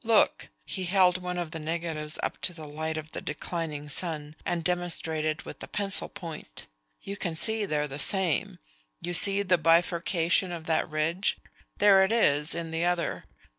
Look !" he held one of the negatives up to the light of the declining sun and demonstrated with a pencil point. "You can see they're the same. You see the bifurcation of that ridge. There it is in the other.